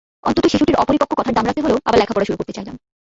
অন্তত শিশুটির অপরিপক্ব কথার দাম রাখতে হলেও আবার লেখাপড়া শুরু করতে চাইলাম।